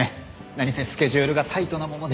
何せスケジュールがタイトなもので。